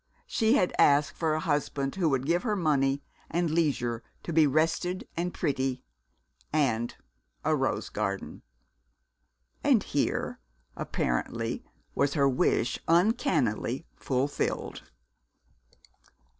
She had asked for a husband who would give her money, and leisure to be rested and pretty, and a rose garden! And here, apparently, was her wish uncannily fulfilled.